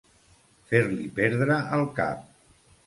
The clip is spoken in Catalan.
Fer-li perdre el cap.